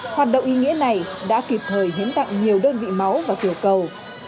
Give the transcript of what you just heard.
hoạt động ý nghĩa này đã kịp thời hiến tặng nhiều đơn vị máu và tiểu cầu